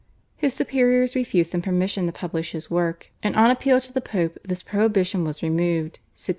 His superiors refused him permission to publish his work, and on appeal to the Pope this prohibition was removed (1680).